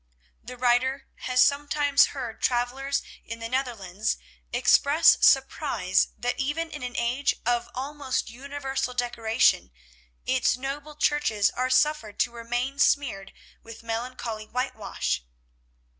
The writer has sometimes heard travellers in the Netherlands express surprise that even in an age of almost universal decoration its noble churches are suffered to remain smeared with melancholy whitewash.